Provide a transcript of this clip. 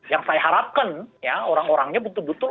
yang saya harapkan ya orang orangnya betul betul